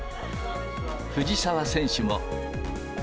藤澤選手も。